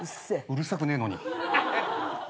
うるさくねえのに。